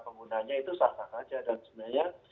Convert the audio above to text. penggunanya itu sah sah saja dan sebenarnya